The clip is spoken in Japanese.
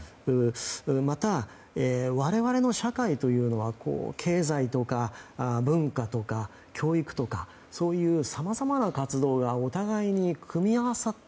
また、我々の社会というのは経済とか文化とか教育とか、さまざまな活動がお互いに組み合わさって